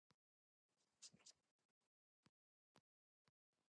The following are intersections along Highbury Avenue's remaining length.